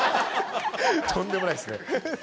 とんでもないですね。